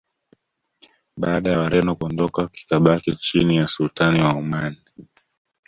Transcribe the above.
baada ya wareno kuondoka kikabaki chini ya sultani wa oman